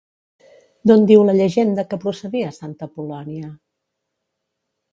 D'on diu la llegenda que procedia santa Apol·lònia?